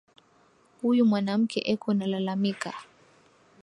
Uyu mwanamuke eko na lalamika